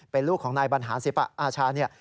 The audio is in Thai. เป็นลูกของนายบรรหารศิลปะอาชาเนี่ย